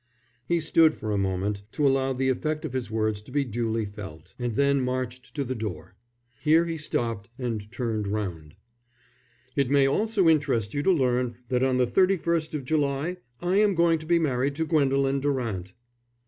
He stood for a moment to allow the effect of his words to be duly felt, and then marched to the door. Here he stopped and turned round. "It may also interest you to learn that on the thirty first of July I am going to be married to Gwendolen Durant."